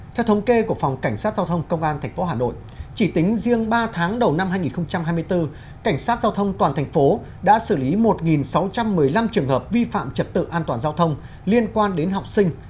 theo thống kê của phòng cảnh sát giao thông công an tp hà nội chỉ tính riêng ba tháng đầu năm hai nghìn hai mươi bốn cảnh sát giao thông toàn thành phố đã xử lý một sáu trăm một mươi năm trường hợp vi phạm trật tự an toàn giao thông liên quan đến học sinh